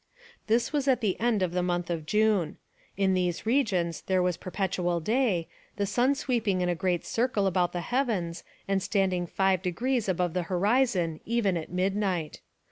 This was at the end of the month of June. In these regions there was perpetual day, the sun sweeping in a great circle about the heavens and standing five degrees above the horizon even at midnight.